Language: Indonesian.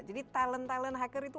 jadi talent talent hacker itu